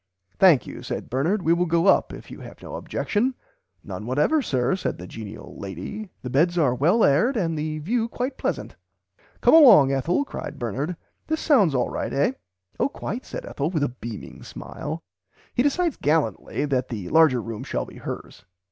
"Thank you said Bernard we will go up if you have no objection. None whatever sir said the genial lady the beds are well aired and the view quite pleasant. Come along Ethel cried Bernard this sounds alright eh. Oh quite said Ethel with a beaming smile." He decides gallantly [Pg xiv] that the larger room shall be hers.